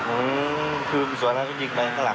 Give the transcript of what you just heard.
อื้อคือสวนหน้าจนยิงไปก็หลัง